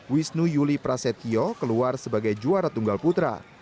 wisnu yuli prasetyo keluar sebagai juara tunggal putra